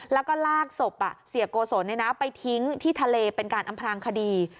แล้วก็ลากศพเสียโกศลไปทิ้งที่ทะเลเป็นการอำพลางคดี